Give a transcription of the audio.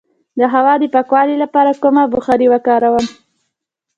د هوا د پاکوالي لپاره کوم بخار وکاروم؟